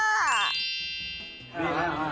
นี่ไหม